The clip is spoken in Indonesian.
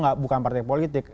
gue bukan partai politik